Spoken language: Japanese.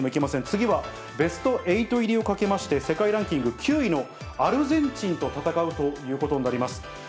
次はベスト８入りをかけまして、世界ランキング９位のアルゼンチンと戦うということになります。